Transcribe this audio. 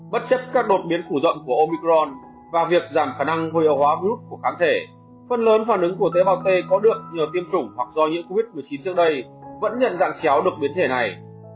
bất chấp các đột biến phủ rộng của omicron và việc giảm khả năng hồi hóa brut của kháng thể phần lớn phản ứng của tế bào t có được nhờ tiêm chủng hoặc do nhiễm covid một mươi chín trước đây vẫn nhận dạng chéo được biến thể này